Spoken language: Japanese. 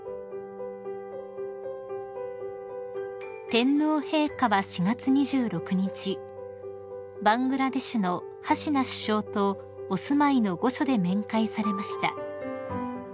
［天皇陛下は４月２６日バングラデシュのハシナ首相とお住まいの御所で面会されました］